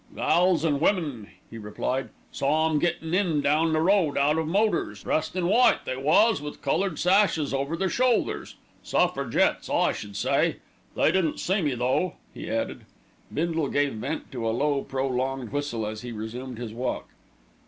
"Gals an' women," he replied. "Saw 'em gettin' in down the road, out of motors. Dressed in white they was, with coloured sashes over their shoulders. Suffragettes, I should say. They didn't see me though," he added. Bindle gave vent to a low, prolonged whistle as he resumed his walk.